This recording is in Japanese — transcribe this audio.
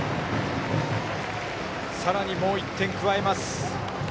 さらにもう１点加えます。